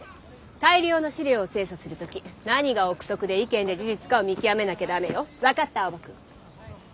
大量の資料を精査する時何が臆測で意見で事実かを見極めなきゃダメよ。分かった？